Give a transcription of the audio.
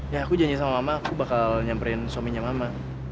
ya aku janji sama mama aku bakal nyamperin suaminya mama